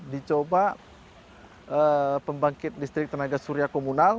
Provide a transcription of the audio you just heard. dicoba pembangkit listrik tenaga surya komunal